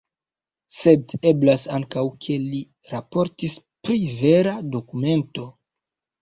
Sed eblas ankaŭ ke li raportis pri vera dokumento.